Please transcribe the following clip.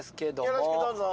よろしくどうぞ。